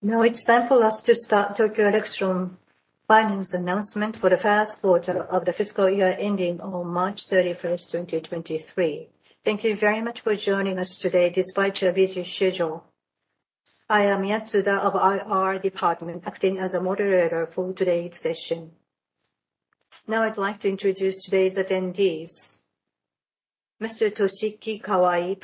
Now it's time for us to start Tokyo Electron finance announcement for the first quarter of the fiscal year ending on March 31st, 2023. Thank you very much for joining us today despite your busy schedule. I am Yatsuda of IR department, acting as a moderator for today's session. Now I'd like to introduce today's attendees. Mr. Toshiki Kawai,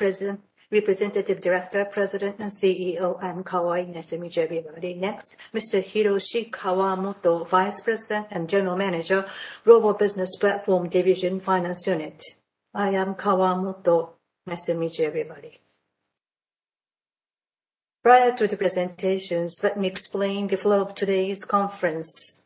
Representative Director, President and CEO. I'm Kawai. Nice to meet you, everybody. Next, Mr. Hiroshi Kawamoto, Vice President and General Manager, Global Business Platform Division, Finance Unit. I am Kawamoto. Nice to meet you, everybody. Prior to the presentations, let me explain the flow of today's conference.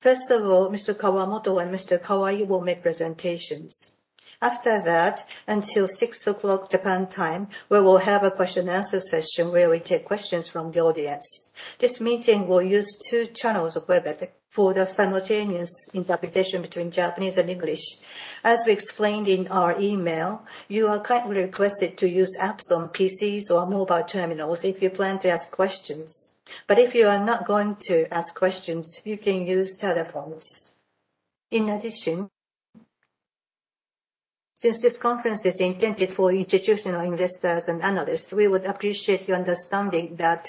First of all, Mr. Kawamoto and Mr. Kawai will make presentations. After that, until 6:00 Japan time, we will have a question and answer session where we take questions from the audience. This meeting will use two channels of Webex for the simultaneous interpretation between Japanese and English. As we explained in our email, you are kindly requested to use apps on PCs or mobile terminals if you plan to ask questions. If you are not going to ask questions, you can use telephones. In addition, since this conference is intended for institutional investors and analysts, we would appreciate your understanding that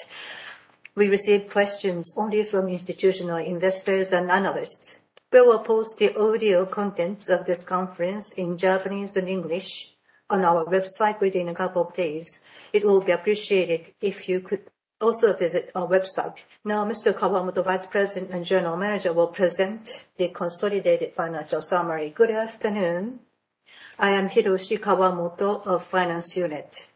we receive questions only from institutional investors and analysts. We will post the audio contents of this conference in Japanese and English on our website within a couple of days. It will be appreciated if you could also visit our website. Now, Mr. Kawamoto, Vice President and General Manager, will present the consolidated financial summary. Good afternoon. I am Hiroshi Kawamoto of Finance Unit.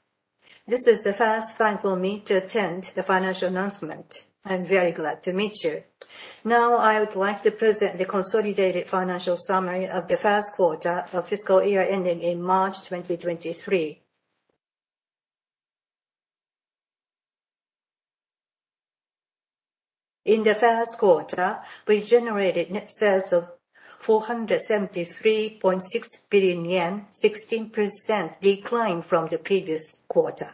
This is the first time for me to attend the financial announcement. I'm very glad to meet you. Now I would like to present the consolidated financial summary of the first quarter of fiscal year ending in March 2023. In the first quarter, we generated net sales of 473.6 billion yen, 16% decline from the previous quarter.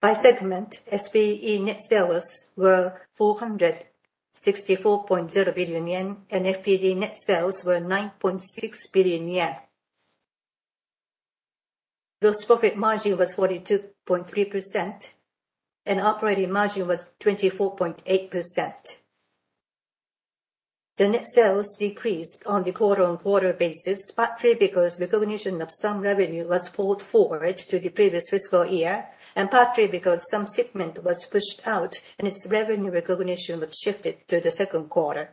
By segment, SPE net sales were 464.0 billion yen, and FPD net sales were 9.6 billion yen. Gross profit margin was 42.3%, and operating margin was 24.8%. The net sales decreased on the quarter-on-quarter basis, partly because recognition of some revenue was pulled forward to the previous fiscal year, and partly because some segment was pushed out, and its revenue recognition was shifted to the second quarter.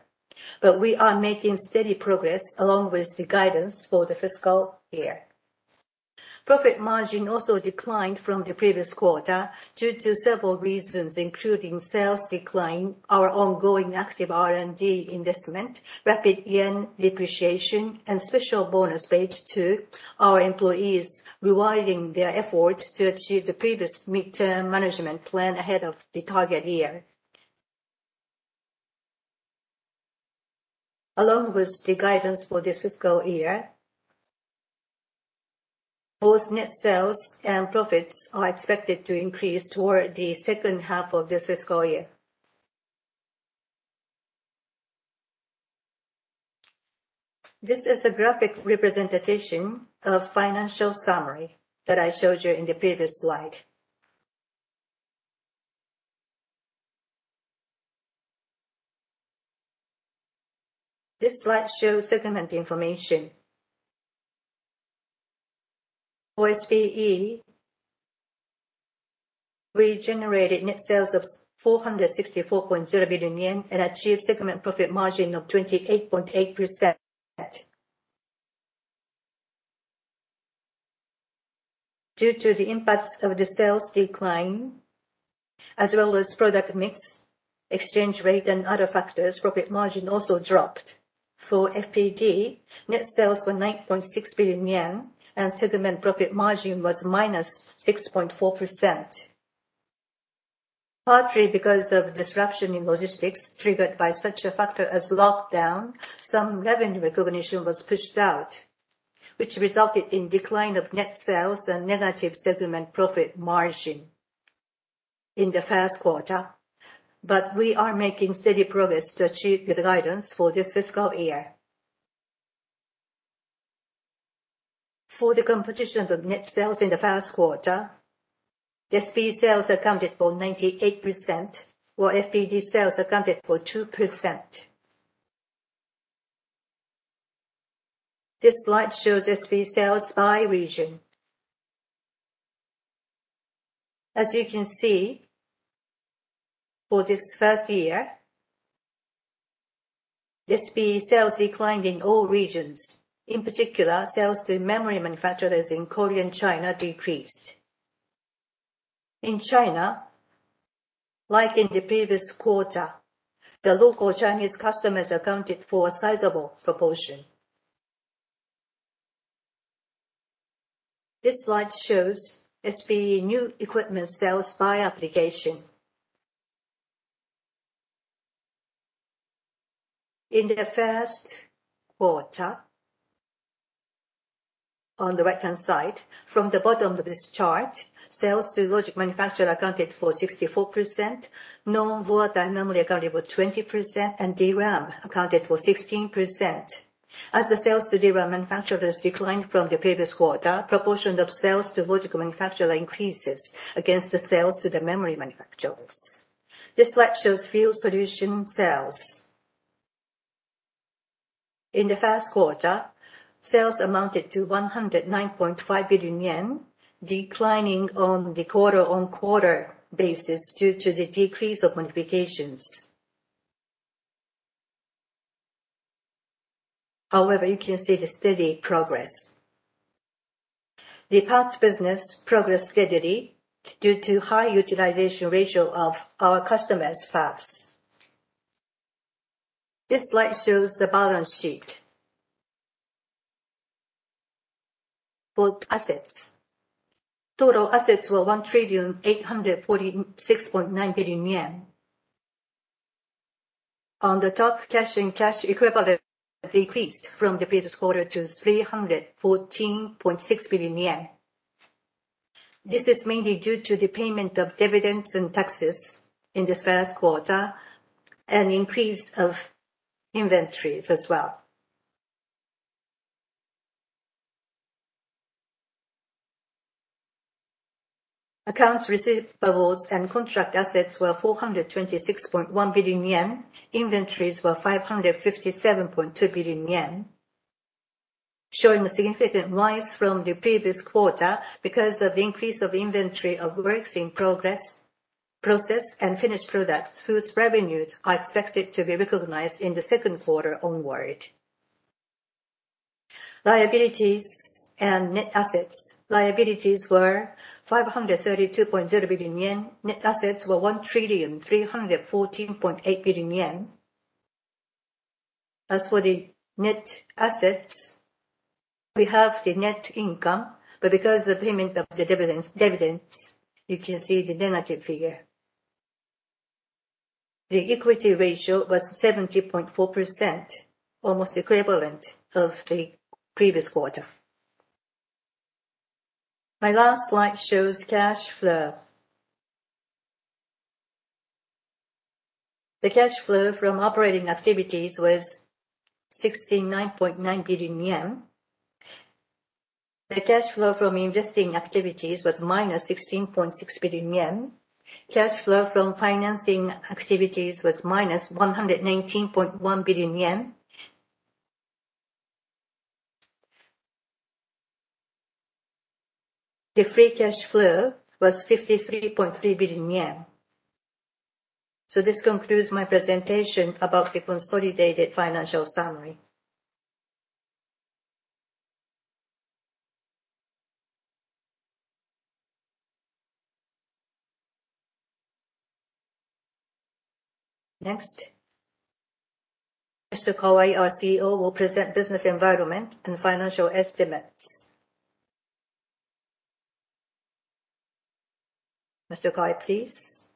We are making steady progress along with the guidance for the fiscal year. Profit margin also declined from the previous quarter due to several reasons, including sales decline, our ongoing active R&D investment, rapid yen depreciation, and special bonus paid to our employees, rewarding their efforts to achieve the previous midterm management plan ahead of the target year. Along with the guidance for this fiscal year, both net sales and profits are expected to increase toward the second half of this fiscal year. This is a graphic representation of financial summary that I showed you in the previous slide. This slide shows segment information. For SPE, we generated net sales of 464.0 billion yen and achieved segment profit margin of 28.8%. Due to the impacts of the sales decline, as well as product mix, exchange rate, and other factors, profit margin also dropped. For FPD, net sales were 9.6 billion yen and segment profit margin was -6.4%. Partly because of disruption in logistics triggered by such a factor as lockdown, some revenue recognition was pushed out, which resulted in decline of net sales and negative segment profit margin in the first quarter. We are making steady progress to achieve the guidance for this fiscal year. For the composition of net sales in the first quarter, SPE sales accounted for 98%, while FPD sales accounted for 2%. This slide shows SPE sales by region. As you can see, for this first year, SPE sales declined in all regions. In particular, sales to memory manufacturers in Korea and China decreased. In China, like in the previous quarter, the local Chinese customers accounted for a sizable proportion. This slide shows SPE new equipment sales by application. In the first quarter, on the right-hand side, from the bottom of this chart, sales to logic manufacturer accounted for 64%, non-volatile memory accounted for 20%, and DRAM accounted for 16%. As the sales to DRAM manufacturers declined from the previous quarter, proportion of sales to logic manufacturer increases against the sales to the memory manufacturers. This slide shows Field Solutions sales. In the first quarter, sales amounted to 109.5 billion yen, declining on the quarter-on-quarter basis due to the decrease of modifications. However, you can see the steady progress. The parts business progressed steadily due to high utilization ratio of our customers' fabs. This slide shows the balance sheet. For assets, total assets were 1,846.9 billion yen. On the top, cash and cash equivalents decreased from the previous quarter to 314.6 billion yen. This is mainly due to the payment of dividends and taxes in this first quarter, an increase of inventories as well. Accounts receivables and contract assets were 426.1 billion yen. Inventories were 557.2 billion yen, showing a significant rise from the previous quarter because of the increase of inventory of works in progress, process and finished products whose revenues are expected to be recognized in the second quarter onward. Liabilities and net assets. Liabilities were 532.0 billion yen. Net assets were 1,314.8 billion yen. As for the net assets, we have the net income, but because of payment of the dividends, you can see the negative figure. The equity ratio was 70.4%, almost equivalent to the previous quarter. My last slide shows cash flow. The cash flow from operating activities was 69.9 billion yen. The cash flow from investing activities was -16.6 billion yen. Cash flow from financing activities was -119.1 billion yen. The free cash flow was 53.3 billion yen. This concludes my presentation about the consolidated financial summary. Next, Mr. Kawai, our CEO, will present business environment and financial estimates. Mr. Kawai, please.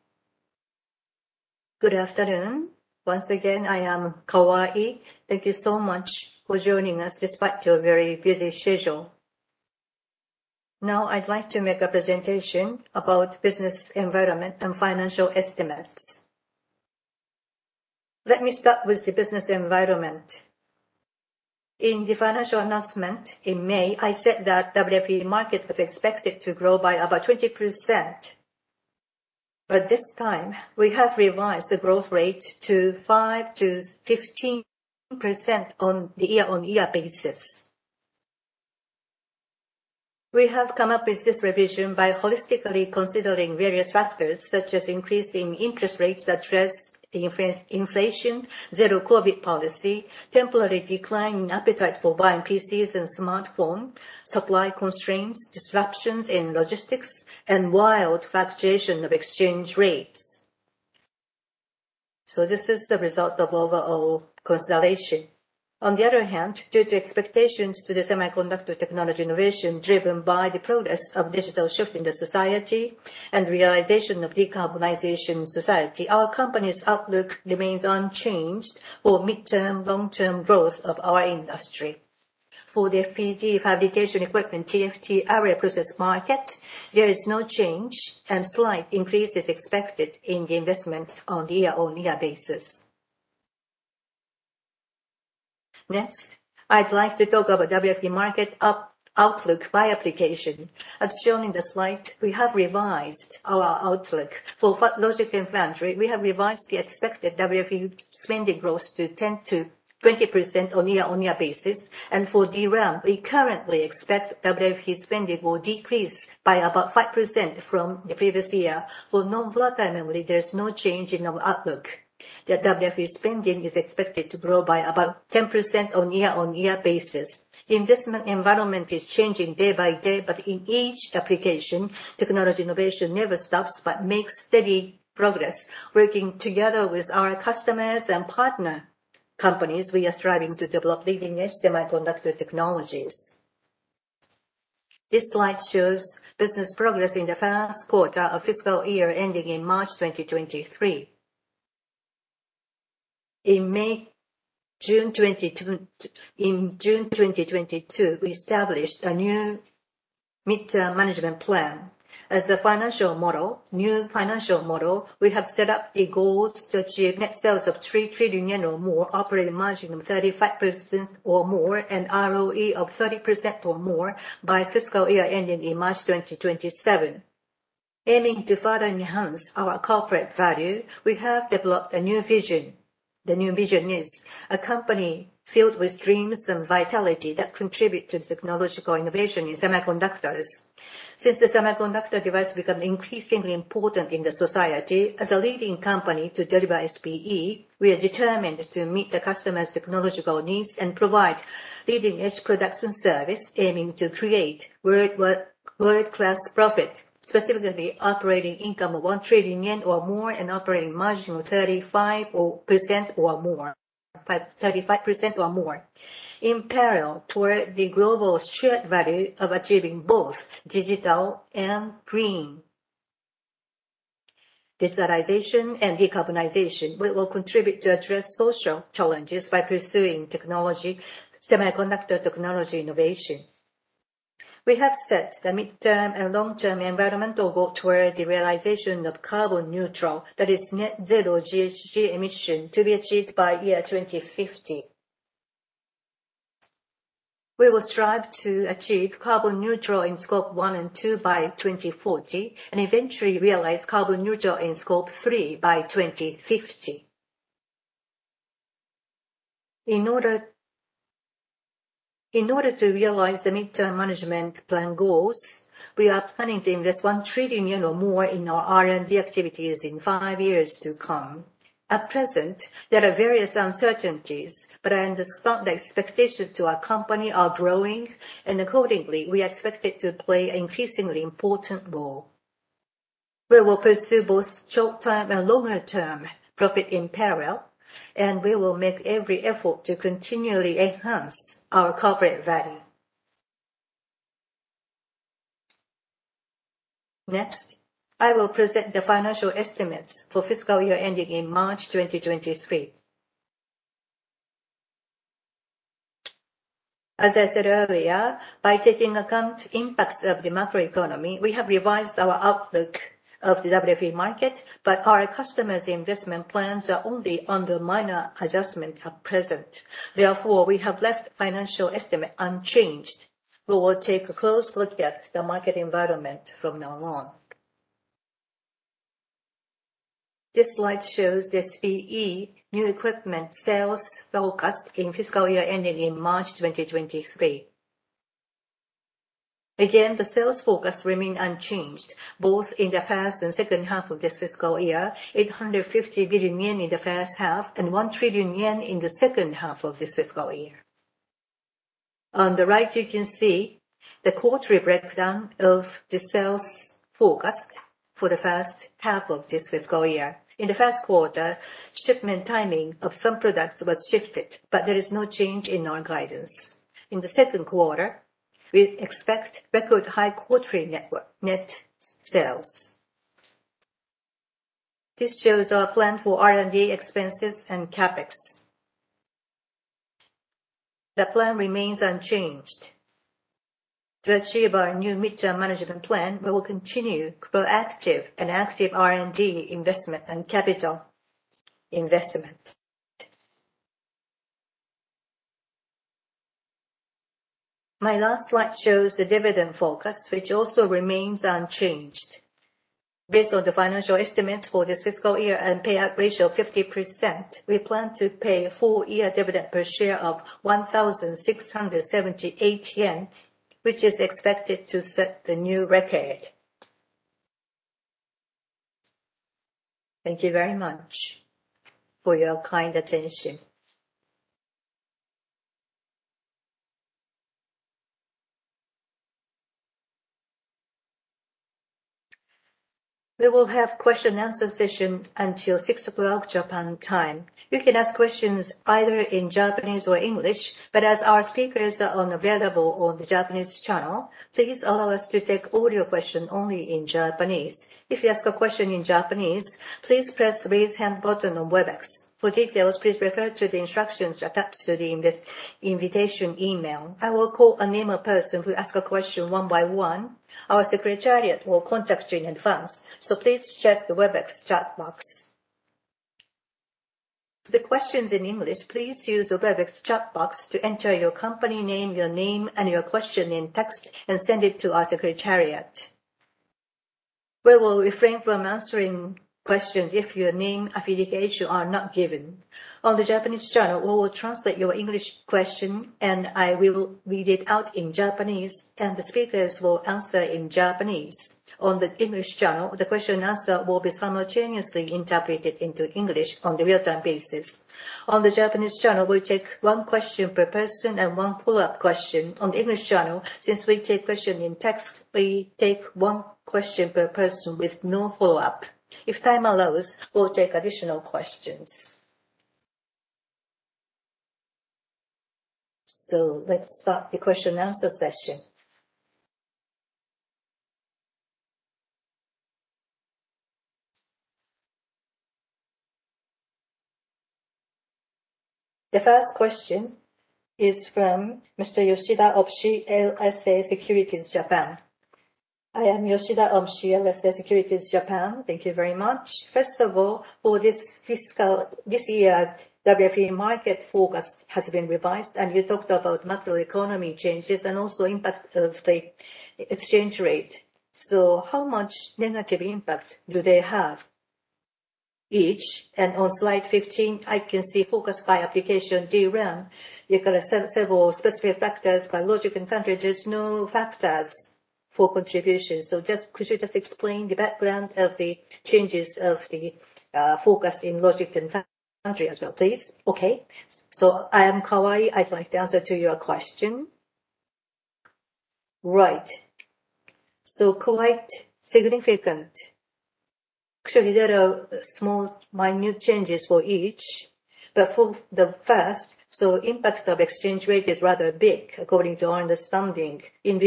Good afternoon. Once again, I am Kawai. Thank you so much for joining us despite your very busy schedule. Now I'd like to make a presentation about business environment and financial estimates. Let me start with the business environment. In the financial announcement in May, I said that WFE market was expected to grow by about 20%, but this time we have revised the growth rate to 5%-15% on the year-over-year basis. We have come up with this revision by holistically considering various factors, such as increasing interest rates that address the inflation, zero-COVID policy, temporary decline in appetite for buying PCs and smartphones, supply constraints, disruptions in logistics, and wild fluctuation of exchange rates. This is the result of overall consideration. On the other hand, due to expectations to the semiconductor technology innovation driven by the progress of digital shift in the society and realization of decarbonization society, our company's outlook remains unchanged for midterm, long-term growth of our industry. For the FPD fabrication equipment, TFT array process market, there is no change, and slight increase is expected in the investment on year-on-year basis. Next, I'd like to talk about WFE market outlook by application. As shown in the slide, we have revised our outlook. For logic and foundry, we have revised the expected WFE spending growth to 10%-20% on year-on-year basis. For DRAM, we currently expect WFE spending will decrease by about 5% from the previous year. For non-volatile memory, there is no change in our outlook. The WFE spending is expected to grow by about 10% on year-on-year basis. Investment environment is changing day by day, but in each application, technology innovation never stops but makes steady progress. Working together with our customers and partner companies, we are striving to develop leading-edge semiconductor technologies. This slide shows business progress in the first quarter of fiscal year ending in March 2023. In June 2022, we established a new midterm management plan. As a financial model, we have set up the goals to achieve net sales of 3 trillion yen or more, operating margin of 35% or more, and ROE of 30% or more by fiscal year ending in March 2027. Aiming to further enhance our corporate value, we have developed a new vision. The new vision is a company filled with dreams and vitality that contribute to technological innovation in semiconductors. Since the semiconductor device become increasingly important in the society, as a leading company to deliver SPE, we are determined to meet the customers' technological needs and provide leading-edge production service, aiming to create worldwide, world-class profit, specifically operating income of 1 trillion yen or more and operating margin of 35% or more. In parallel toward the global shared value of achieving both digital and green, digitalization and decarbonization, we will contribute to address social challenges by pursuing technology, semiconductor technology innovation. We have set the midterm and long-term environmental goal toward the realization of carbon neutral, that is net zero GHG emission, to be achieved by year 2050. We will strive to achieve carbon neutral in Scope one and two by 2040, and eventually realize carbon neutral in Scope three by 2050. In order to realize the midterm management plan goals, we are planning to invest 1 trillion yen or more in our R&D activities in five years to come. At present, there are various uncertainties, but I understand the expectations to our company are growing, and accordingly, we are expected to play an increasingly important role. We will pursue both short-term and longer-term profit in parallel, and we will make every effort to continually enhance our corporate value. Next, I will present the financial estimates for fiscal year ending in March 2023. As I said earlier, by taking account impacts of the macroeconomy, we have revised our outlook of the WFE market, but our customers' investment plans are only under minor adjustment at present. Therefore, we have left financial estimate unchanged. We will take a close look at the market environment from now on. This slide shows the SPE new equipment sales forecast in fiscal year ending in March 2023. Again, the sales forecast remain unchanged, both in the first and second half of this fiscal year, 850 billion yen in the first half and 1 trillion yen in the second half of this fiscal year. On the right, you can see the quarterly breakdown of the sales forecast for the first half of this fiscal year. In the first quarter, shipment timing of some products was shifted, but there is no change in our guidance. In the second quarter, we expect record high quarterly net sales. This shows our plan for R&D expenses and CapEx. The plan remains unchanged. To achieve our new midterm management plan, we will continue proactive and active R&D investment and capital investment. My last slide shows the dividend forecast, which also remains unchanged. Based on the financial estimates for this fiscal year and payout ratio of 50%, we plan to pay full-year dividend per share of 1,678 yen, which is expected to set the new record. Thank you very much for your kind attention. We will have question and answer session until 6:00 Japan time. You can ask questions either in Japanese or English, but as our speakers are unavailable on the Japanese channel, please allow us to take audio question only in Japanese. If you ask a question in Japanese, please press "Raise Hand" button on Webex. For details, please refer to the instructions attached to the investor invitation email. I will call a name of person who ask a question one by one. Our secretariat will contact you in advance, so please check the Webex chat box. For the questions in English, please use the Webex chat box to enter your company name, your name, and your question in text, and send it to our secretariat. We will refrain from answering questions if your name, affiliation are not given. On the Japanese channel, we will translate your English question, and I will read it out in Japanese, and the speakers will answer in Japanese. On the English channel, the question and answer will be simultaneously interpreted into English on the real-time basis. On the Japanese channel, we'll take one question per person and one follow-up question. On the English channel, since we take question in text, we take one question per person with no follow-up. If time allows, we'll take additional questions. Let's start the question and answer session. The first question is from Mr. Yoshida of CLSA Securities Japan. I am Yoshida of CLSA Securities Japan. Thank you very much. First of all, for this fiscal, this year, WFE market forecast has been revised, and you talked about macro economy changes and also impact of the exchange rate. How much negative impact do they have each? On slide 15, I can see forecast by application DRAM. You've got several specific factors by logic and foundries. There's no factors for contribution. Could you just explain the background of the changes of the forecast in logic and foundry as well, please? Okay. I am Kawai. I'd like to answer to your question. Right. Quite significant. Actually, there are small minute changes for each, but for the first, impact of exchange rate is rather big according to our understanding. In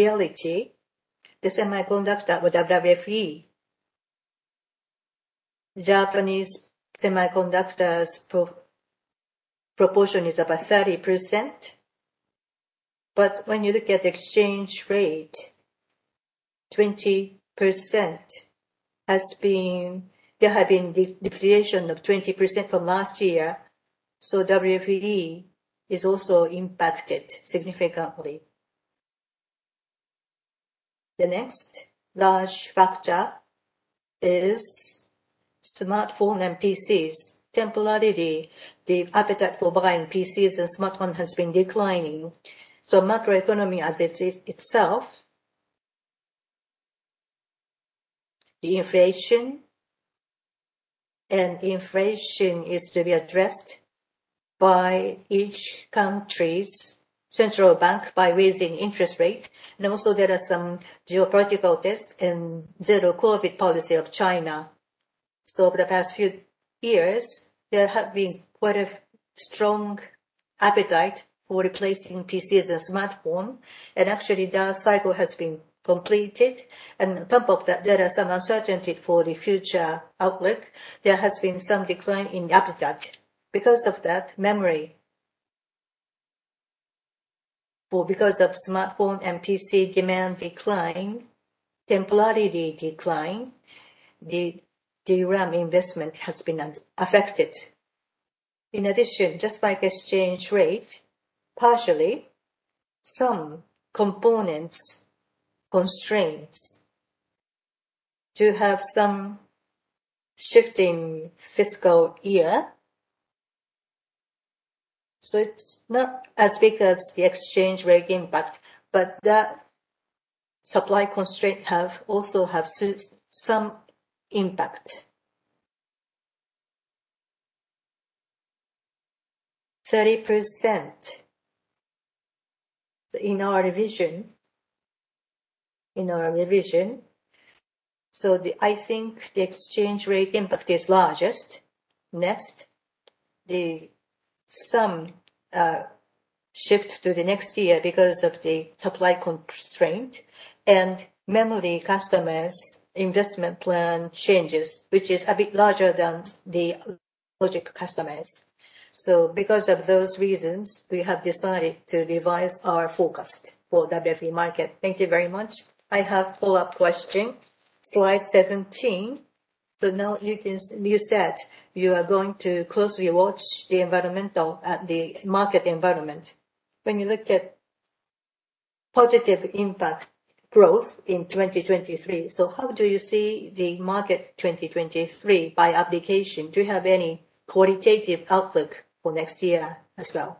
reality, the semiconductor WFE, Japanese semiconductors proportion is about 30%, but when you look at the exchange rate, 20% has been. There have been depreciation of 20% from last year, so WFE is also impacted significantly. The next large factor is smartphone and PCs. Temporarily, the appetite for buying PCs and smartphone has been declining. Macroeconomy as it is itself, the inflation, and inflation is to be addressed by each country's central bank by raising interest rate. There are some geopolitical risk in zero-COVID policy of China. For the past few years, there have been quite a strong appetite for replacing PCs and smartphone, and actually that cycle has been completed. On top of that, there are some uncertainty for the future outlook. There has been some decline in the appetite. Because of that, memory. Because of smartphone and PC demand decline, temporarily, the RAM investment has been unaffected. In addition, just like exchange rate, partially some component constraints do have some shift in fiscal year. It's not as big as the exchange rate impact, but that supply constraint also has some impact. 30% in our revision. I think the exchange rate impact is largest. Next, some shift to the next year because of the supply constraint and memory customers' investment plan changes, which is a bit larger than the logic customers. Because of those reasons, we have decided to revise our forecast for WFE market. Thank you very much. I have follow-up question. Slide 17. Now, you said you are going to closely watch the market environment. When you look at positive impact growth in 2023, how do you see the market 2023 by application? Do you have any qualitative outlook for next year as well?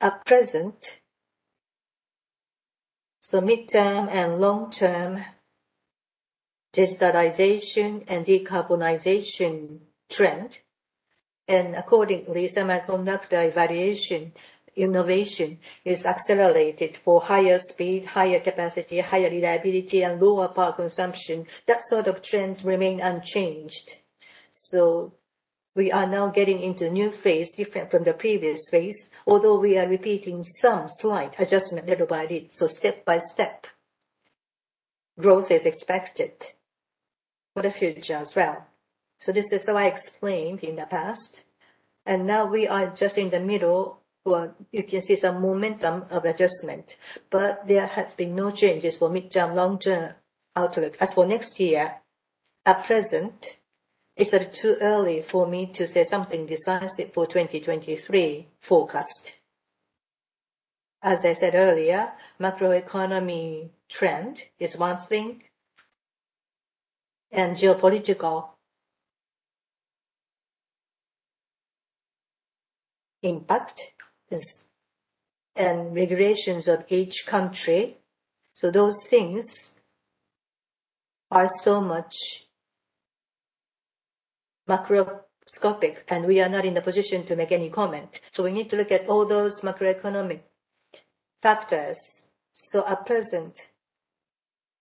At present, mid-term and long-term digitalization and decarbonization trend, and accordingly semiconductor evolution, innovation is accelerated for higher speed, higher capacity, higher reliability, and lower power consumption. That sort of trend remain unchanged. We are now getting into a new phase different from the previous phase, although we are repeating some slight adjustment little by little, so step-by-step growth is expected for the future as well. This is how I explained in the past, and now we are just in the middle where you can see some momentum of adjustment. There has been no changes for mid-term, long-term outlook. As for next year, at present, it's too early for me to say something decisive for 2023 forecast. As I said earlier, macroeconomic trend is one thing, and geopolitical impact and regulations of each country. Those things are so macroeconomic, and we are not in the position to make any comment. We need to look at all those macroeconomic factors. At present,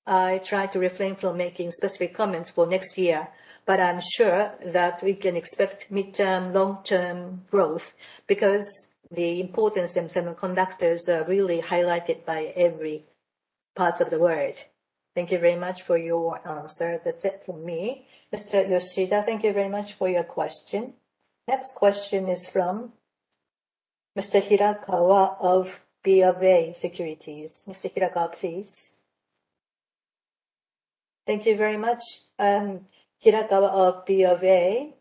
I try to refrain from making specific comments for next year, but I'm sure that we can expect midterm, long-term growth because the importance of semiconductors are really highlighted by every part of the world. Thank you very much for your answer. That's it from me. Mr. Yoshida, thank you very much for your question. Next question is from Mr. Hirakawa of BofA Securities. Mr. Hirakawa, please. Thank you very much. Hirakawa of BofA.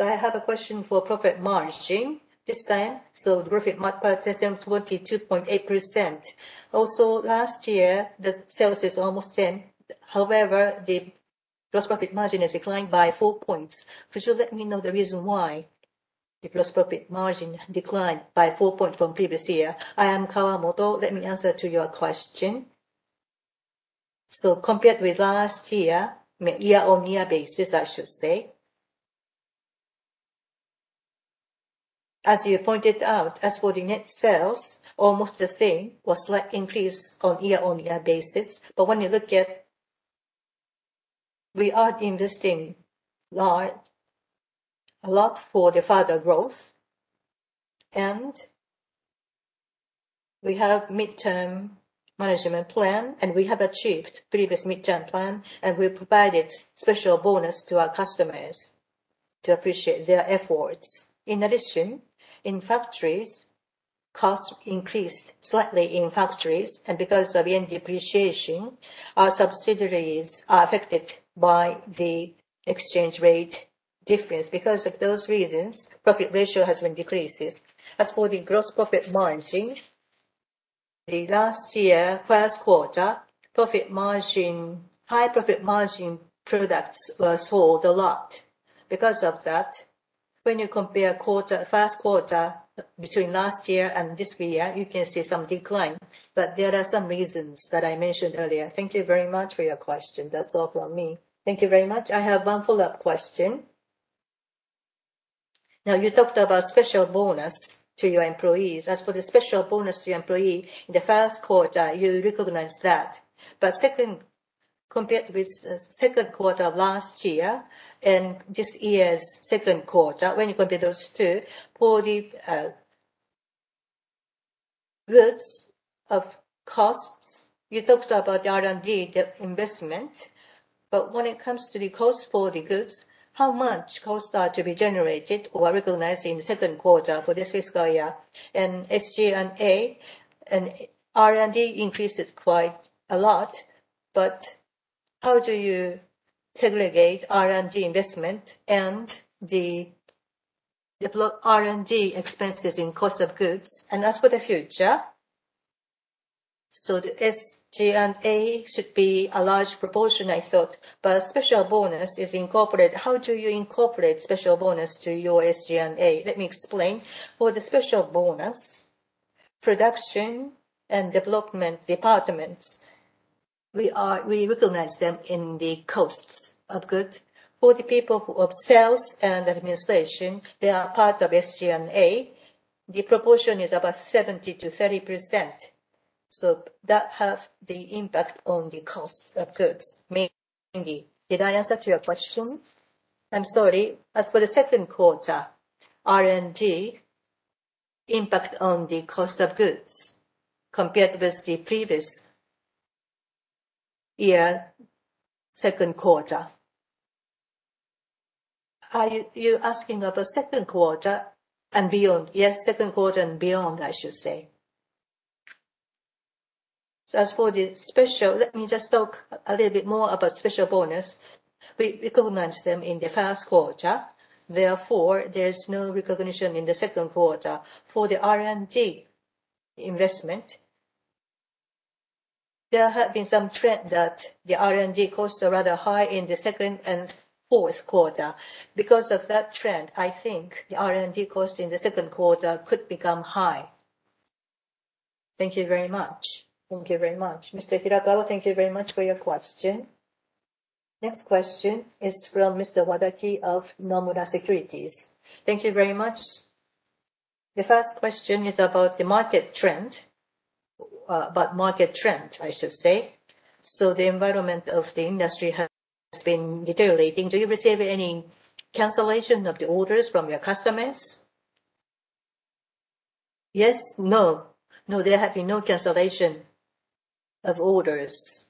I have a question for profit margin this time. Gross profit margin of 22.8%. Also last year, the sales is almost same. However, the gross profit margin has declined by four points. Could you let me know the reason why the gross profit margin declined by four points from previous year? I am Kawamoto, let me answer to your question. Compared with last year-over-year basis, I should say. As you pointed out, as for the net sales, almost the same or slight increase on year-over-year basis. When you look at, we are investing lot, a lot for the further growth, and we have midterm management plan, and we have achieved previous midterm plan, and we provided special bonus to our customers to appreciate their efforts. In addition, in factories, costs increased slightly in factories, and because of yen depreciation, our subsidiaries are affected by the exchange rate difference. Because of those reasons, profit ratio has been decreases. As for the gross profit margin, the last year first quarter, profit margin, high profit margin products were sold a lot. Because of that, when you compare quarter, first quarter between last year and this year, you can see some decline, but there are some reasons that I mentioned earlier. Thank you very much for your question. That's all from me. Thank you very much. I have one follow-up question. Now, you talked about special bonus to your employees. As for the special bonus to your employee, in the first quarter, you recognized that. Second, compared with the second quarter of last year and this year's second quarter, when you compare those two, for the cost of goods, you talked about R&D, the investment, but when it comes to the cost of goods, how much costs are to be generated or recognized in the second quarter for this fiscal year? SG&A and R&D increases quite a lot, but how do you segregate R&D investment and the development R&D expenses in cost of goods? As for the future, the SG&A should be a large proportion, I thought, but special bonus is incorporated. How do you incorporate special bonus to your SG&A? Let me explain. For the special bonus, production and development departments, we recognize them in the cost of goods. For the people in sales and administration, they are part of SG&A. The proportion is about 70-30%. That have the impact on the costs of goods, mainly. Did I answer to your question? I'm sorry. As for the second quarter, R&D impact on the cost of goods compared with the previous year second quarter. Are you asking about second quarter and beyond? Yes, second quarter and beyond, I should say. As for the special, let me just talk a little bit more about special bonus. We recognize them in the first quarter, therefore there is no recognition in the second quarter. For the R&D investment, there have been some trend that the R&D costs are rather high in the second and fourth quarter. Because of that trend, I think the R&D cost in the second quarter could become high. Thank you very much. Thank you very much. Mr. Hirakawa, thank you very much for your question. Next question is from Mr. Wadaki of Nomura Securities. Thank you very much. The first question is about the market trend, I should say. The environment of the industry has been deteriorating. Do you receive any cancellation of the orders from your customers? Yes. No. No, there have been no cancellation of orders.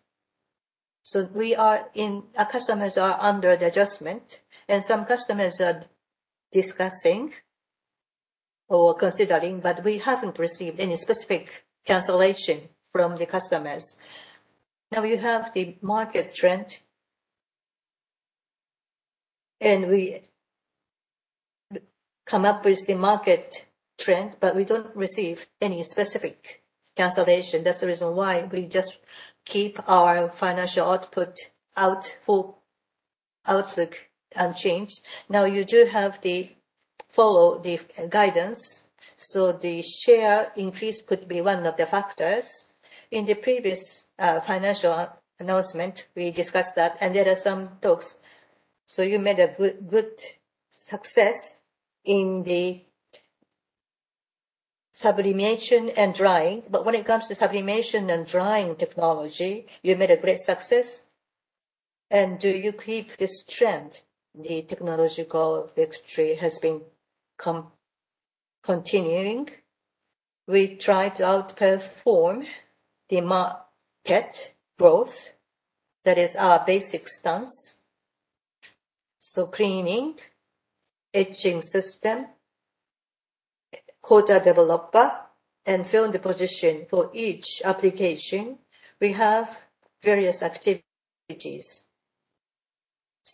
Our customers are under the adjustment, and some customers are discussing or considering, but we haven't received any specific cancellation from the customers. Now you have the market trend, and we come up with the market trend, but we don't receive any specific cancellation. That's the reason why we just keep our financial outlook unchanged. Now, you do have to follow the guidance, so the share increase could be one of the factors. In the previous financial announcement, we discussed that, and there are some talks. You made a good success in the sublimation and drying. When it comes to sublimation and drying technology, you made a great success. Do you keep this trend? The technological victory has been continuing. We try to outperform the market growth. That is our basic stance. Cleaning, etching system, coater/developer, and film deposition for each application, we have various activities.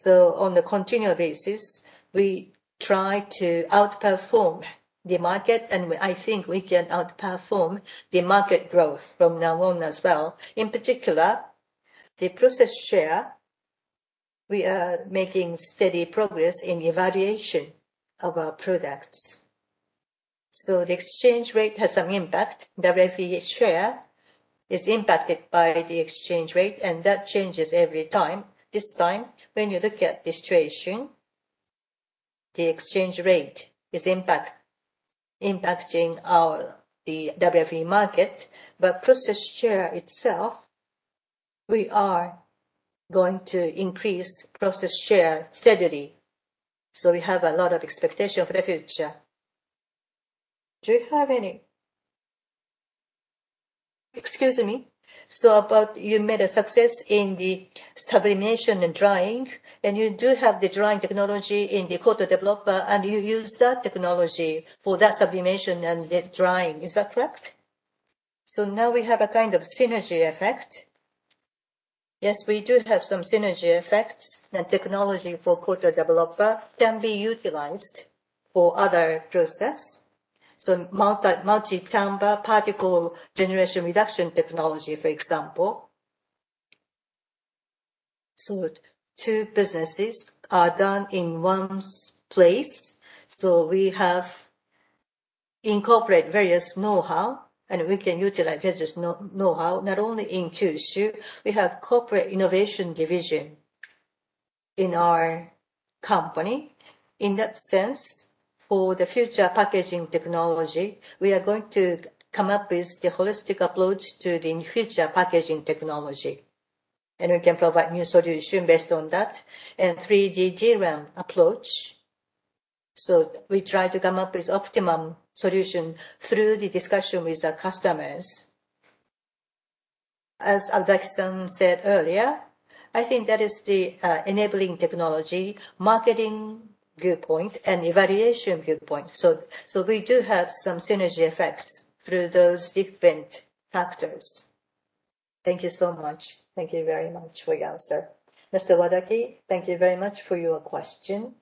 On a continual basis, we try to outperform the market, and I think we can outperform the market growth from now on as well. In particular, the process share, we are making steady progress in evaluation of our products. The exchange rate has some impact. WFE share is impacted by the exchange rate, and that changes every time. This time, when you look at the situation, the exchange rate is impacting our WFE market. Process share itself, we are going to increase process share steadily. We have a lot of expectation for the future. Excuse me. About you made a success in the sublimation and drying, and you do have the drying technology in the coater/developer, and you use that technology for that sublimation and the drying. Is that correct? Now we have a kind of synergy effect. Yes, we do have some synergy effects. The technology for coater/developer can be utilized for other process. Multi-chamber particle generation reduction technology, for example. Two businesses are done in one place. We have incorporate various know-how, and we can utilize this know-how not only in Kyushu. We have Corporate Innovation Division in our company. In that sense, for the future packaging technology, we are going to come up with the holistic approach to the future packaging technology. We can provide new solution based on that and 3D DRAM approach. We try to come up with optimum solution through the discussion with our customers. As Alexander said earlier, I think that is the enabling technology, marketing viewpoint and evaluation viewpoint. We do have some synergy effects through those different factors. Thank you so much. Thank you very much for your answer. Mr. Wadaki, thank you very much for your question.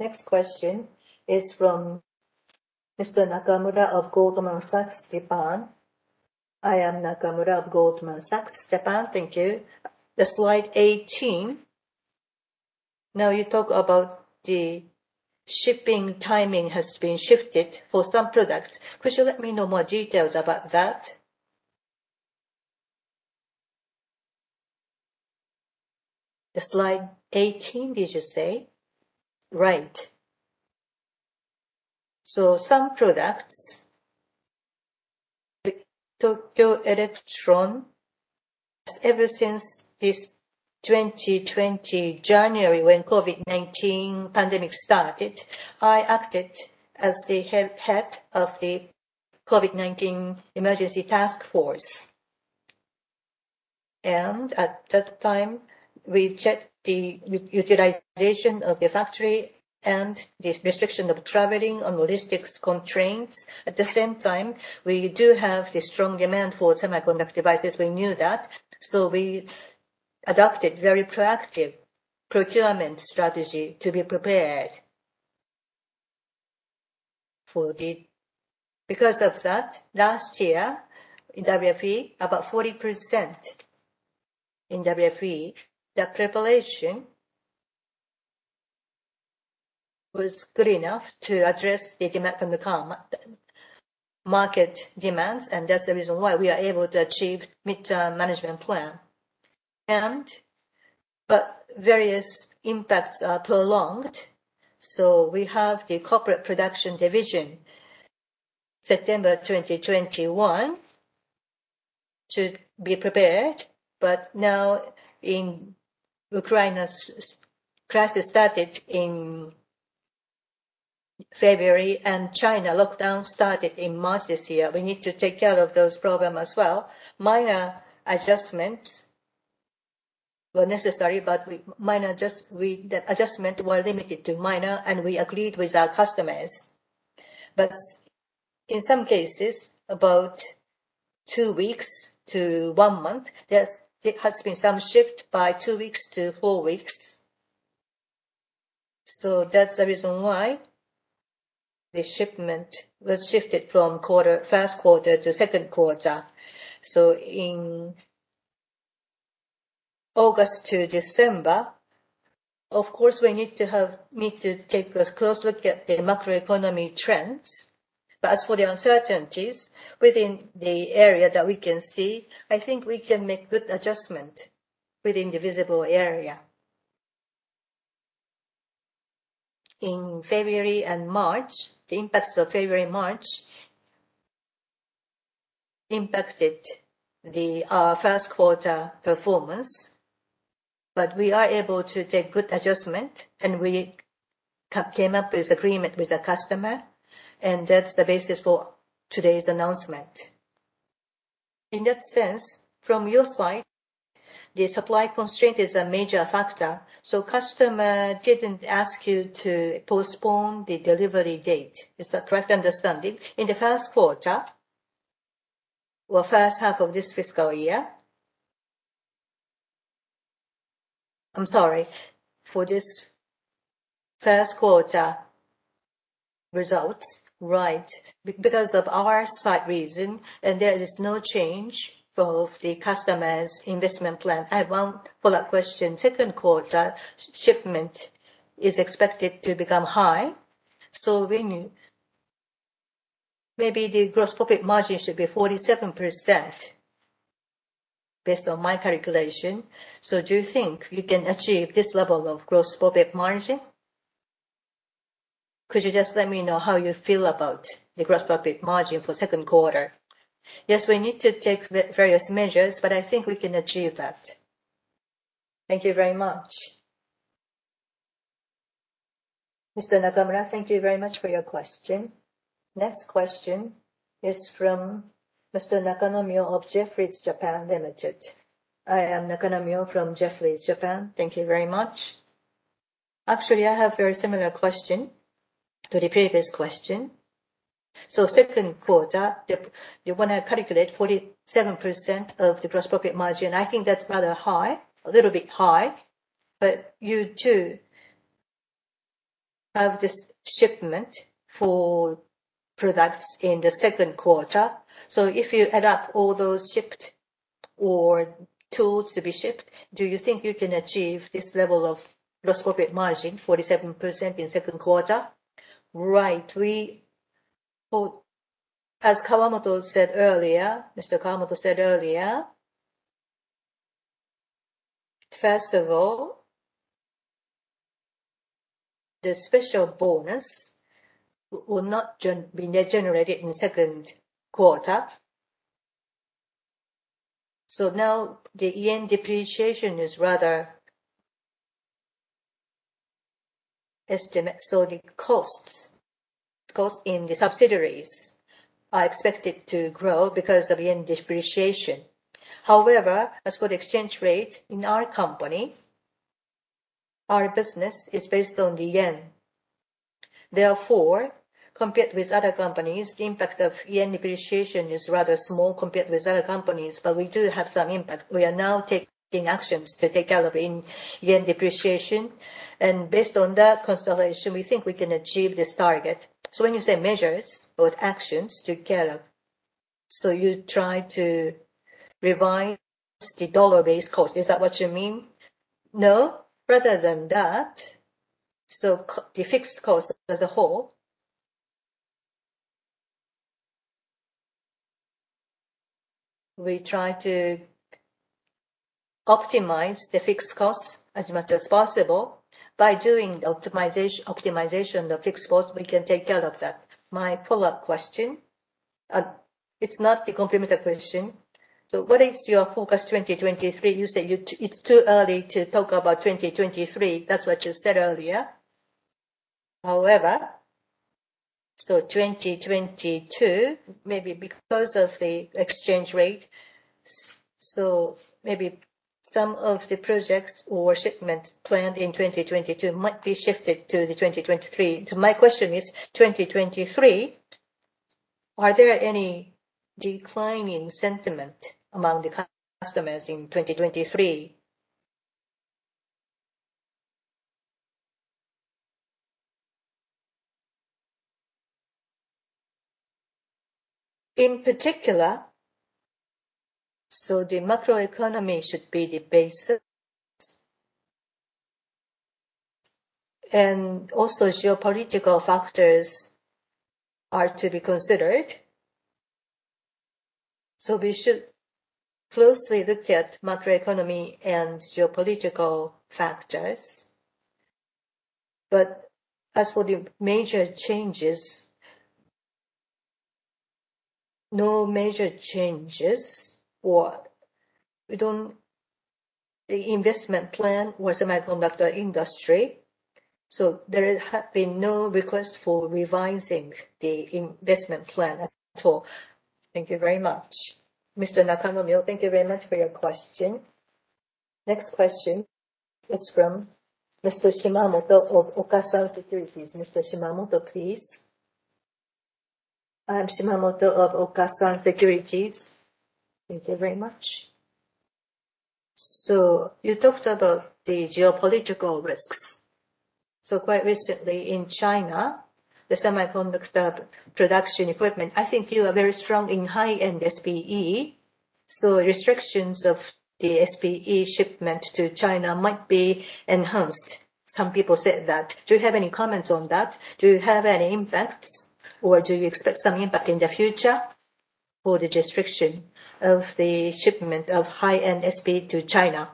Next question is from Mr. Nakamura of Goldman Sachs Japan. I am Nakamura of Goldman Sachs Japan. Thank you. The slide 18, now you talk about the shipping timing has been shifted for some products. Could you let me know more details about that? The slide 18, did you say? Right. Some products, like Tokyo Electron, ever since January 2020 when COVID-19 pandemic started, I acted as the head of the COVID-19 emergency task force. At that time, we checked the utilization of the factory and the restriction of traveling on logistics constraints. At the same time, we do have the strong demand for semiconductor devices, we knew that. We adopted very proactive procurement strategy to be prepared for that. Because of that, last year in WFE, about 40% in WFE, the preparation was good enough to address the demand from the market demands. That's the reason why we are able to achieve midterm management plan. Various impacts are prolonged, so we have the Corporate Production Division, September 2021 to be prepared. Now Ukraine crisis started in February, and China lockdown started in March this year. We need to take care of those problems as well. Minor adjustments were necessary, but the adjustments were limited to minor, and we agreed with our customers. In some cases, about two weeks to one month, there has been some shift by two weeks to four weeks. That's the reason why the shipment was shifted from first quarter to second quarter. In August to December, of course, we need to take a close look at the macroeconomic trends. As for the uncertainties within the area that we can see, I think we can make good adjustment within the visible area. In February and March, the impacts of February and March impacted the first quarter performance, but we are able to take good adjustment, and we came up with agreement with the customer, and that's the basis for today's announcement. In that sense, from your side, the supply constraint is a major factor, so customer didn't ask you to postpone the delivery date. Is that correct understanding? In the first quarter, or first half of this fiscal year, I'm sorry, for this first quarter results, right, because of our side reason, and there is no change for the customer's investment plan. I have one follow-up question. Second quarter shipment is expected to become high, so when you... Maybe the gross profit margin should be 47% based on my calculation. Do you think you can achieve this level of gross profit margin? Could you just let me know how you feel about the gross profit margin for second quarter? Yes, we need to take the various measures, but I think we can achieve that. Thank you very much. Mr. Nakamura, thank you very much for your question. Next question is from Mr. Nakanomyo of Jefferies Japan Limited. I am Nakanomyo from Jefferies Japan. Thank you very much. Actually, I have very similar question to the previous question. Second quarter, the, you wanna calculate 47% of the gross profit margin. I think that's rather high, a little bit high, but you do have this shipment for products in the second quarter. If you add up all those shipped or tools to be shipped, do you think you can achieve this level of gross profit margin, 47% in second quarter? Right. As Mr. Kawamoto said earlier, first of all, the special bonus will not be generated in second quarter. Now the yen depreciation is rather estimated. The costs in the subsidiaries are expected to grow because of yen depreciation. However, as for the exchange rate in our company, our business is based on the yen. Therefore, compared with other companies, the impact of yen depreciation is rather small compared with other companies, but we do have some impact. We are now taking actions to take care of yen depreciation, and based on that consideration, we think we can achieve this target. When you say measures or actions to take care of, you try to revise the dollar-based cost. Is that what you mean? No, rather than that, the fixed cost as a whole. We try to optimize the fixed costs as much as possible. By doing optimization of fixed costs, we can take care of that. My follow-up question, it's not a complimentary question. What is your forecast 2023? You said it's too early to talk about 2023. That's what you said earlier. However, 2022, maybe because of the exchange rate, maybe some of the projects or shipments planned in 2022 might be shifted to the 2023. My question is, 2023, are there any declining sentiment among the customers in 2023? In particular, the macroeconomy should be the basis. Also geopolitical factors are to be considered. We should closely look at macroeconomy and geopolitical factors. As for the major changes, no major changes. The investment plan was a semiconductor industry, so there have been no request for revising the investment plan at all. Thank you very much. Mr. Nakanomyo, thank you very much for your question. Next question is from Mr. Shimamoto of Okasan Securities. Mr. Shimamoto, please. I am Shimamoto of Okasan Securities. Thank you very much. You talked about the geopolitical risks. Quite recently in China, the semiconductor production equipment, I think you are very strong in high-end SPE, so restrictions of the SPE shipment to China might be enhanced. Some people said that. Do you have any comments on that? Do you have any impacts, or do you expect some impact in the future? For the restriction of the shipment of high-end SPE to China.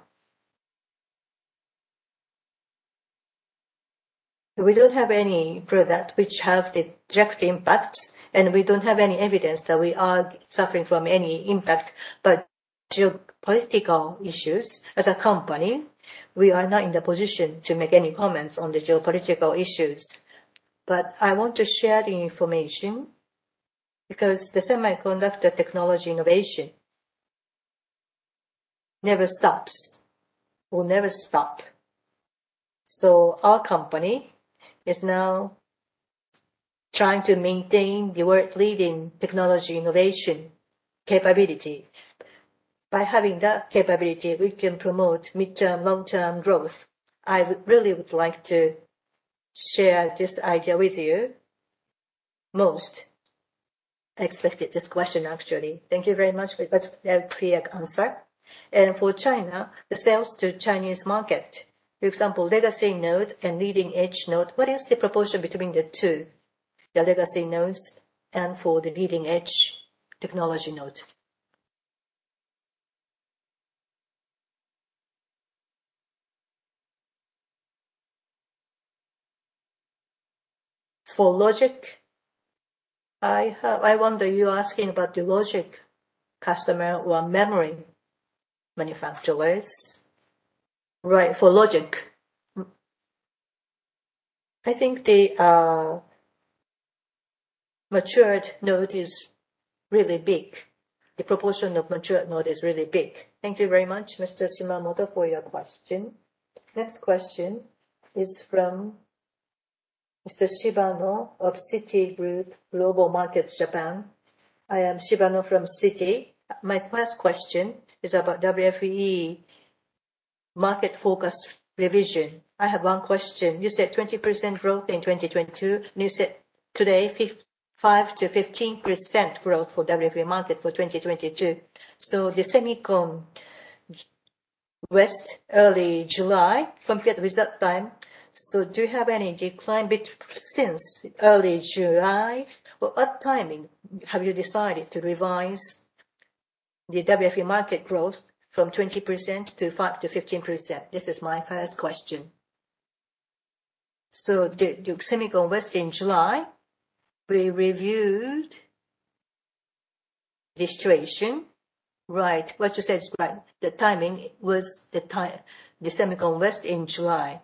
We don't have any product which have the direct impacts, and we don't have any evidence that we are suffering from any impact. Geopolitical issues, as a company, we are not in the position to make any comments on the geopolitical issues. I want to share the information because the semiconductor technology innovation never stops, will never stop. Our company is now trying to maintain the world-leading technology innovation capability. By having that capability, we can promote midterm, long-term growth. I would really like to share this idea with you most. I expected this question, actually. Thank you very much for your very clear answer. For China, the sales to Chinese market, for example, legacy node and leading-edge node, what is the proportion between the two, the legacy nodes and for the leading-edge technology node? For logic?I wonder, you're asking about the logic customer or memory manufacturers? Right, for logic. I think the matured node is really big. The proportion of matured node is really big. Thank you very much, Mr. Shimamoto, for your question. Next question is from Mr. Shibano of Citigroup Global Markets Japan. I am Shibano from Citi. My first question is about WFE market forecast revision. I have one question. You said 20% growth in 2022, and you said today, 5%-15% growth for WFE market for 2022. The SEMICON West in early July, from the latest results, do you have any decline since early July? What timing have you decided to revise the WFE market growth from 20% to 5%-15%? This is my first question. The SEMICON West in July, we reviewed the situation, right. What you said is right. The timing was the SEMICON West in July.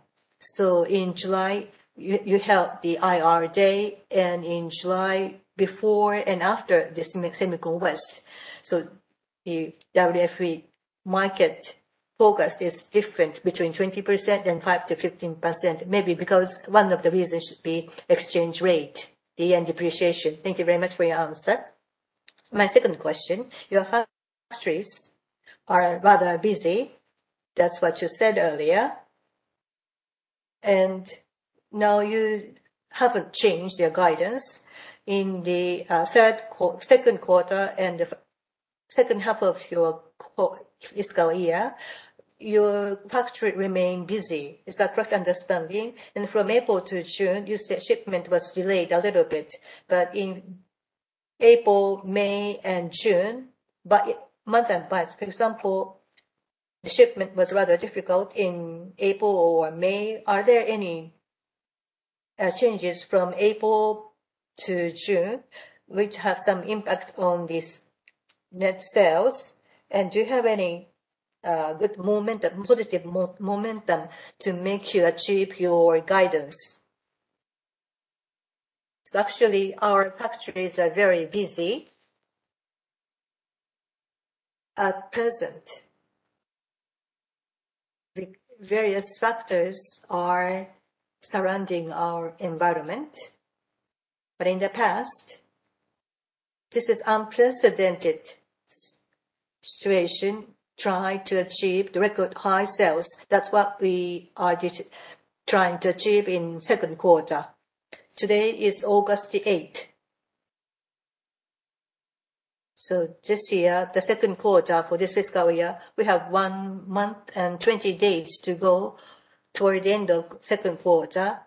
In July, you held the IR day and in July before and after the SEMICON West. The WFE market focus is different between 20% and 5%-15%. Maybe because one of the reasons should be exchange rate, the yen depreciation. Thank you very much for your answer. My second question, your factories are rather busy. That's what you said earlier. Now you haven't changed your guidance in the second quarter and the second half of your fiscal year, your factory remain busy. Is that correct understanding? From April to June, you said shipment was delayed a little bit. In April, May and June, by month and by, for example, the shipment was rather difficult in April or May. Are there any changes from April to June which have some impact on these net sales? Do you have any good momentum, positive momentum to make you achieve your guidance? Actually, our factories are very busy at present. Various factors are surrounding our environment, but in the past, this is unprecedented situation, try to achieve the record high sales. That's what we are trying to achieve in second quarter. Today is August 8. This year, the second quarter for this fiscal year, we have 1 month and 20 days to go toward the end of second quarter.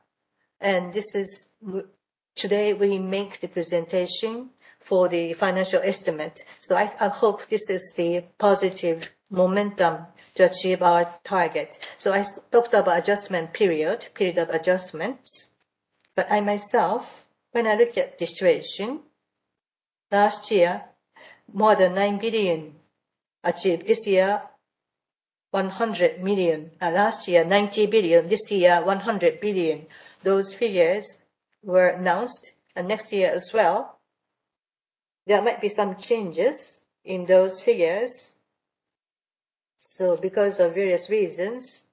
Today we make the presentation for the financial estimate. I hope this is the positive momentum to achieve our target. I talked about adjustment period of adjustments, but I myself, when I look at the situation, last year, more than 9 billion achieved. This year, 100 million. Last year, 90 billion. This year, 100 billion. Those figures were announced, and next year as well, there might be some changes in those figures. Because of various reasons,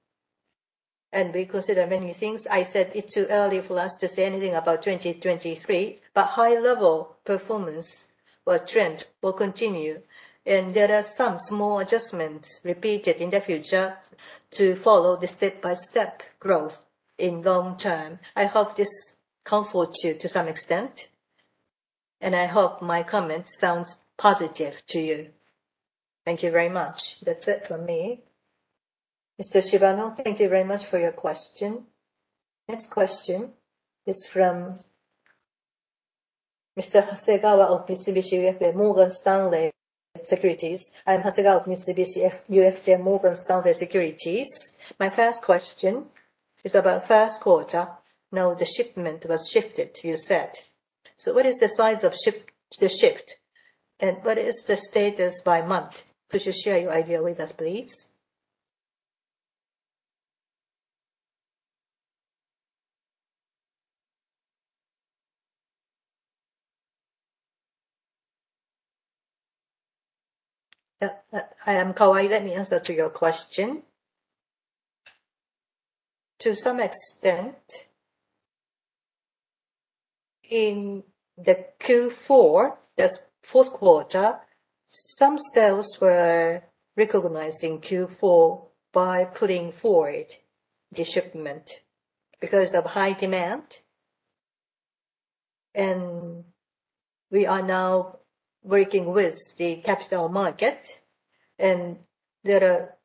and we consider many things, I said it's too early for us to say anything about 2023, but high level performance or trend will continue. There are some small adjustments repeated in the future to follow the step-by-step growth in long term. I hope this comforts you to some extent, and I hope my comment sounds positive to you. Thank you very much. That's it from me. Mr. Shibano, thank you very much for your question. Next question is from Mr. Hasegawa of Mitsubishi UFJ Morgan Stanley Securities. I'm Hasegawa of Mitsubishi UFJ Morgan Stanley Securities. My first question is about first quarter. Now the shipment was shifted, you said. What is the size of the shift, and what is the status by month? Could you share your idea with us, please? I am Kawai. Let me answer to your question. To some extent, in the Q4, that's fourth quarter, some sales were recognized in Q4 by pulling forward the shipment because of high demand. We are now working with the capital market, and there are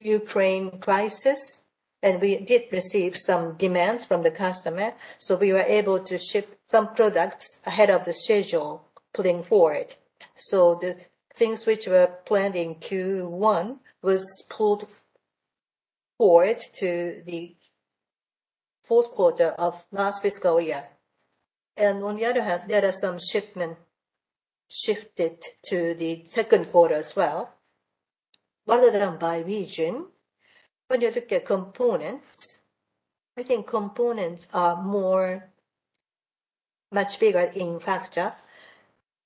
Ukraine crisis, and we did receive some demands from the customer. We were able to ship some products ahead of schedule, pulling forward. The things which were planned in Q1 was pulled forward to the fourth quarter of last fiscal year. On the other hand, there are some shipments shifted to the second quarter as well. Rather than by region, when you look at components, I think components are a much bigger factor.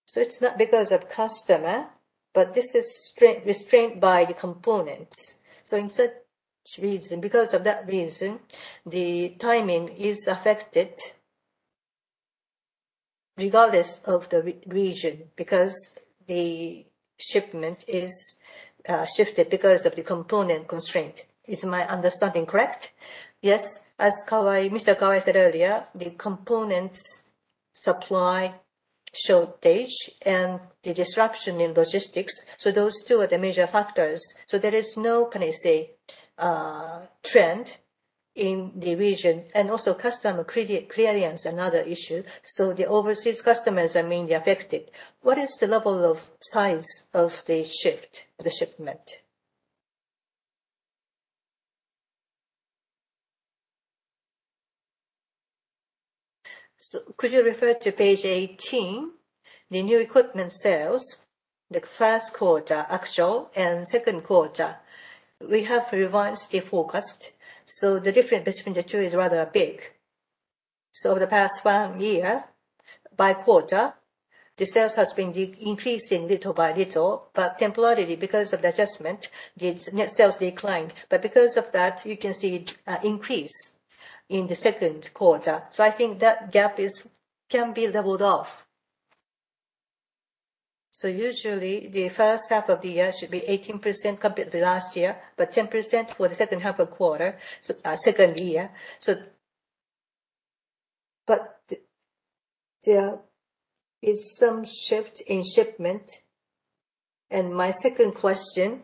So it's not because of customer, but this is constraint by the component. So in such reason, because of that reason, the timing is affected regardless of the region, because the shipment is shifted because of the component constraint. Is my understanding correct? Yes. As Mr. Kawai said earlier, the components supply shortage and the disruption in logistics, so those two are the major factors. So there is no, can I say, trend in the region and also customer clearance, another issue. So the overseas customers are mainly affected. What is the level of size of the shift, the shipment? Could you refer to page 18, the new equipment sales, the first quarter actual and second quarter, we have revised the forecast, so the difference between the two is rather big. Over the past one year, by quarter, the sales has been decreasing little by little, but temporarily, because of the adjustment, the net sales declined. Because of that, you can see it, increase in the second quarter. I think that gap can be leveled off. Usually, the first half of the year should be 18% compared to last year, but 10% for the second half of the year. There is some shift in shipment. My second question,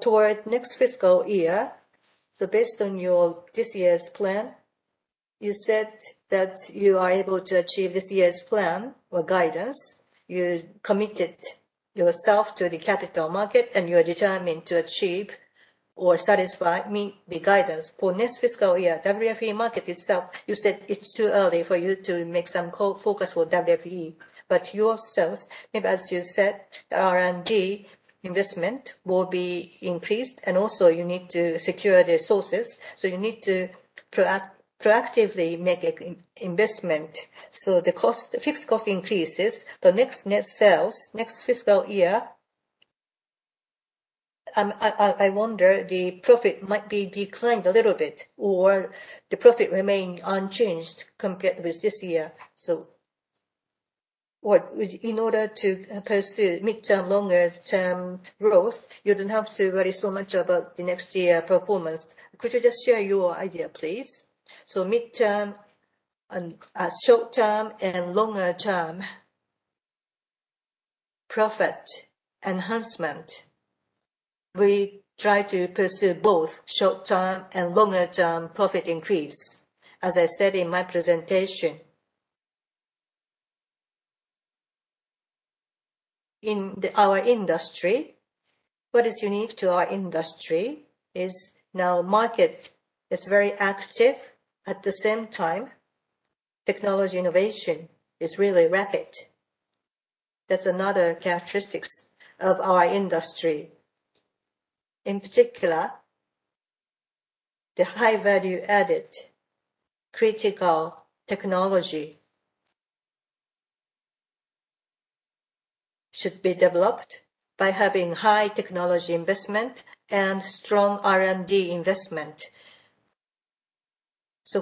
toward next fiscal year, based on your this year's plan, you said that you are able to achieve this year's plan or guidance. You committed yourself to the capital market, and you are determined to achieve or satisfy, meet the guidance. For next fiscal year, WFE market itself, you said it's too early for you to make some forecast for WFE. Your sales, if as you said, R&D investment will be increased, and also you need to secure the resources, so you need to proactively make an investment. The cost, fixed cost increases, but next net sales, next fiscal year, I wonder the profit might be declined a little bit, or the profit remain unchanged compared with this year. In order to pursue midterm, longer term growth, you don't have to worry so much about the next year performance. Could you just share your idea, please? Midterm and short-term and longer-term profit enhancement, we try to pursue both short-term and longer-term profit increase, as I said in my presentation. Our industry, what is unique to our industry is the market is very active. At the same time, technology innovation is really rapid. That's another characteristic of our industry. In particular, the high-value-added critical technology should be developed by having high technology investment and strong R&D investment.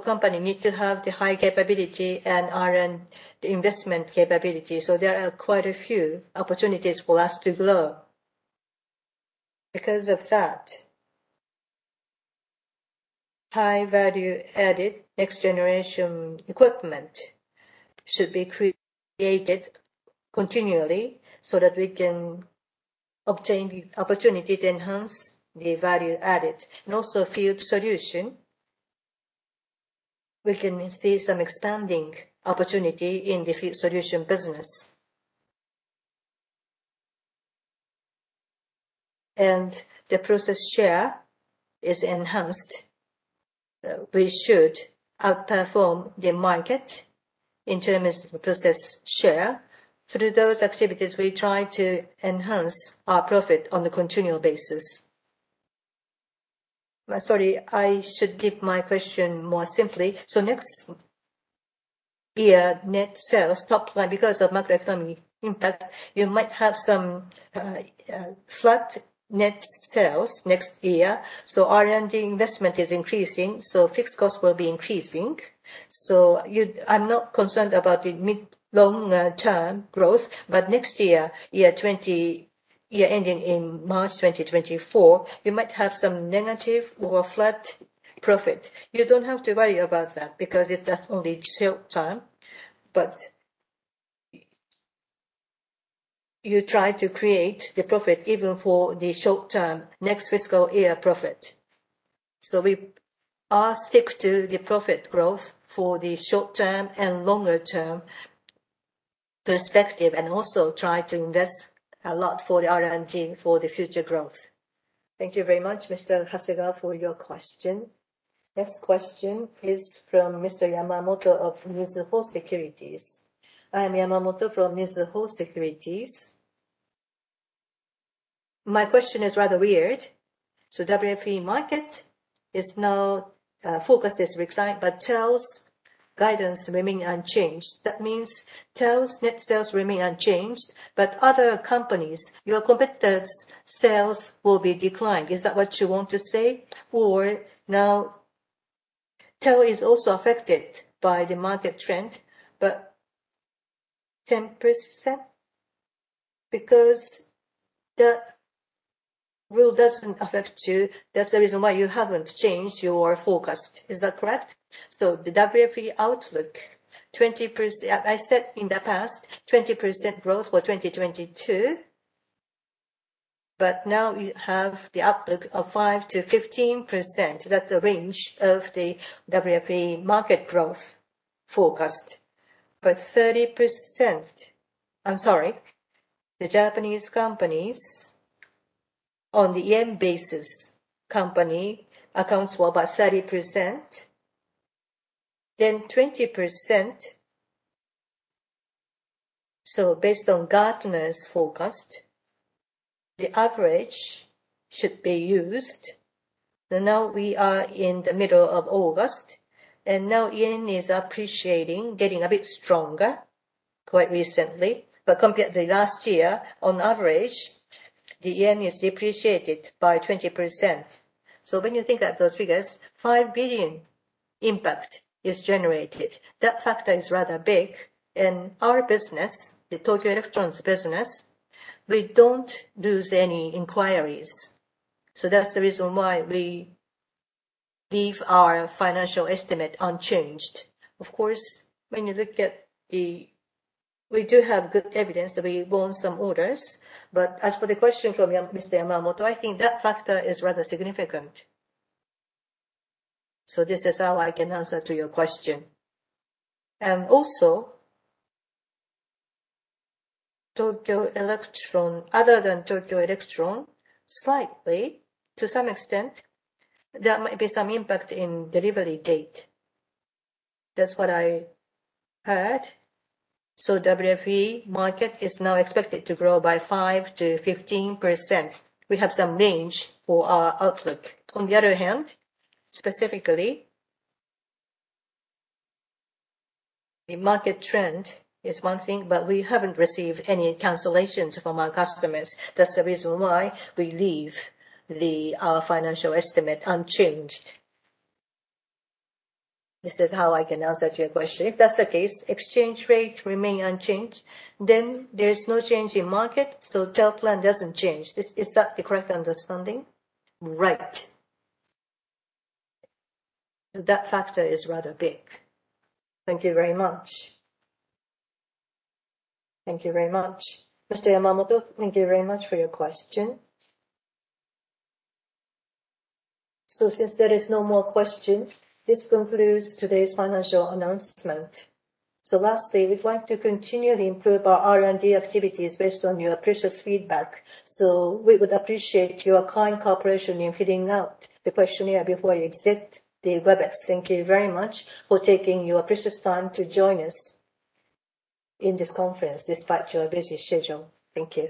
Company needs to have the high capability and R&D investment capability, so there are quite a few opportunities for us to grow. Because of that, high-value-added next-generation equipment should be created continually so that we can obtain the opportunity to enhance the value added. Also, Field Solutions, we can see some expanding opportunity in the Field Solutions business. The process share is enhanced. We should outperform the market in terms of the process share. Through those activities, we try to enhance our profit on a continual basis. Sorry, I should give my question more simply. Next year, net sales top line, because of macroeconomic impact, you might have some flat net sales next year. R&D investment is increasing, so fixed costs will be increasing. I'm not concerned about the mid, long-term growth, but next year ending in March 2024, you might have some negative or flat profit. You don't have to worry about that because it's just only short term, but you try to create the profit even for the short term, next fiscal year profit. We are stick to the profit growth for the short term and longer term perspective, and also try to invest a lot for the R&D for the future growth. Thank you very much, Mr. Hasegawa, for your question. Next question is from Mr. Yamamoto of Mizuho Securities. I am Yamamoto from Mizuho Securities. My question is rather weird. WFE market is now, forecast is declined, but TEL's guidance remaining unchanged. That means TEL's net sales remain unchanged, but other companies, your competitors' sales will be declined. Is that what you want to say? Or now, TEL is also affected by the market trend, but 10% because that rule doesn't affect you, that's the reason why you haven't changed your forecast. Is that correct? The WFE outlook, I said in the past, 20% growth for 2022, but now we have the outlook of 5%-15%. That's the range of the WFE market growth forecast. Thirty percent. I'm sorry. The Japanese companies on the yen basis company accounts were about 30%, then 20%. Based on Gartner's forecast, the average should be used. Now we are in the middle of August, and now yen is appreciating, getting a bit stronger quite recently. Compared to last year, on average, the yen is appreciated by 20%. When you think of those figures, 5 billion impact is generated. That factor is rather big. In our business, the Tokyo Electron business, we don't lose any inquiries. That's the reason why we leave our financial estimate unchanged. Of course, when you look at the. We do have good evidence that we won some orders. As for the question from Mr. Yamamoto, I think that factor is rather significant. This is how I can answer to your question. Also, Tokyo Electron other than Tokyo Electron, slightly, to some extent, there might be some impact in delivery date. That's what I heard. WFE market is now expected to grow by 5%-15%. We have some range for our outlook. On the other hand, specifically, the market trend is one thing, but we haven't received any cancellations from our customers. That's the reason why we leave the financial estimate unchanged. This is how I can answer to your question. If that's the case, exchange rate remain unchanged, then there is no change in market, so TEL plan doesn't change. Is that the correct understanding? Right. That factor is rather big. Thank you very much. Mr. Yamamoto, thank you very much for your question. Since there is no more question, this concludes today's financial announcement. Lastly, we'd like to continually improve our R&D activities based on your precious feedback. We would appreciate your kind cooperation in filling out the questionnaire before you exit the Webex. Thank you very much for taking your precious time to join us in this conference despite your busy schedule. Thank you.